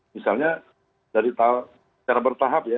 misalnya dari secara bertahap ya